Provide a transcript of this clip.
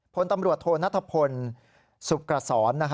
ผลตำรวจโธนัทพนศ์สุกระศร